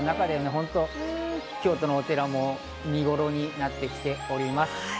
京都のお寺も見ごろになってきております。